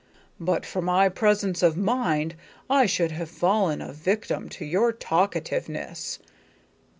But for my presence of mind I should have fallen a victim to your talkativeness."